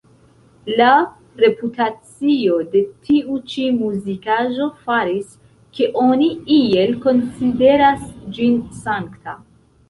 La reputacio de tiu ĉi muzikaĵo faris, ke oni iel konsideras ĝin sankta.